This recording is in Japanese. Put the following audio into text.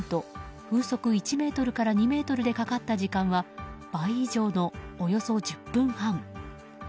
風速１メートルから２メートルでかかった時間は倍以上のおよそ１０分半。